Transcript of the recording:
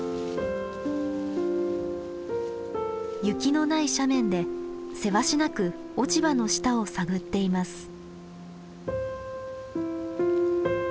雪のない斜面でせわしなく落ち葉の下を探っています。